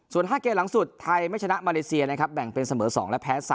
ส่วน๕เกมหลังสุดไทยไม่ชนะมาเลเซียนะครับแบ่งเป็นเสมอ๒และแพ้๓